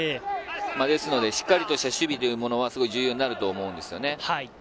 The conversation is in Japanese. ですのでしっかりとした守備というものは重要になると思うんですよね。